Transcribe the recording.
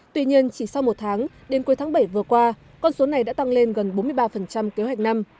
tuy nhiên chỉ sau một tháng đến cuối tháng bảy vừa qua con số này đã tăng lên gần bốn mươi ba kế hoạch năm